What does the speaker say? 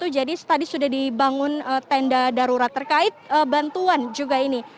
jadi tadi sudah dibangun tenda darurat terkait bantuan juga ini